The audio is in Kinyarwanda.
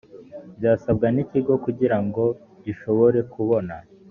byasabwa n ikigo kugira ngo gishobore kubona